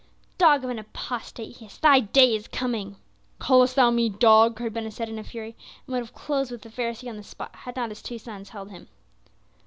"Dog of an apostate!" he hissed, "thy day is coming." "Callest thou me dog?" cried Ben Hesed in a fury, and would have closed with the Pharisee on the spot, had not his two sons held him.